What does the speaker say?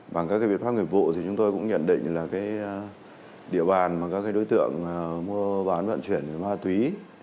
bằng các biện pháp nghiệp vụ thì chúng tôi cũng nhận định là địa bàn mà các đối tượng mua bán vận chuyển ma túy